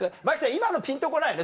今のはピンと来ないね